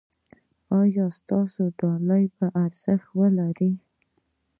ایا ستاسو ډالۍ به ارزښت ولري؟